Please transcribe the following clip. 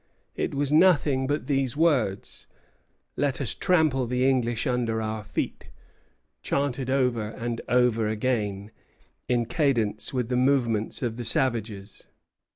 It was nothing but these words: 'Let us trample the English under our feet,' chanted over and over again, in cadence with the movements of the savages."